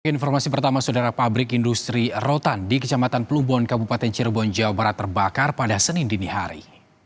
informasi pertama saudara pabrik industri rotan di kecamatan plubon kabupaten cirebon jawa barat terbakar pada senin dini hari